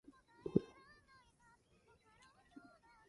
John ran in another dimension of time and space.